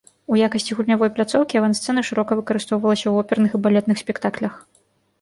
У якасці гульнявой пляцоўкі авансцэна шырока выкарыстоўвалася ў оперных і балетных спектаклях.